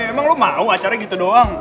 emang lo mau acaranya gitu doang